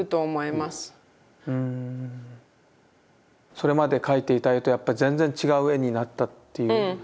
それまで描いていた絵とやっぱ全然違う絵になったといううん。